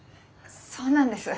そうなんです。